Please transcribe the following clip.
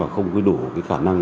không đủ khả năng